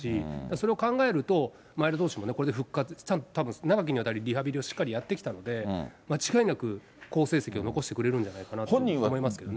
それを考えると、前田投手もこれで復活、たぶん長きにわたりリハビリをしっかりやってきたので、間違いなく好成績を残してくれるんじゃないかなと思いますけどね。